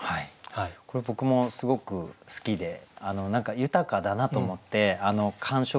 これ僕もすごく好きで何か豊かだなと思って感触。